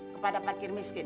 kepada pakir miskin